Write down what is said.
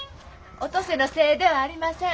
お登勢のせいではありません。